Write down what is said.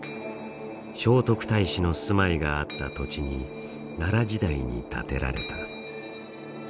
聖徳太子の住まいがあった土地に奈良時代に建てられた。